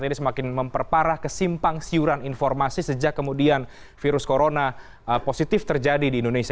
ini semakin memperparah kesimpang siuran informasi sejak kemudian virus corona positif terjadi di indonesia